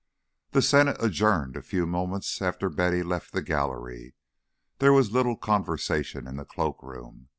XV The Senate adjourned a few moments after Betty left the gallery. There was little conversation in the cloak room.